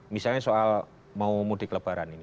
misalnya soal mau mudik lebaran ini